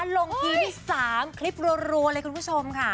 ลงทีที่๓คลิปรัวเลยคุณผู้ชมค่ะ